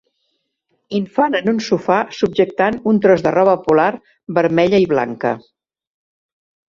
Infant en un sofà subjectant un tros de roba polar vermella i blanca.